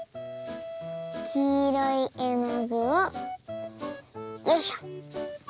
きいろいえのぐをよいしょ。